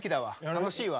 楽しいわ。